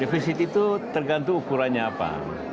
defisit itu tergantung ukurannya apa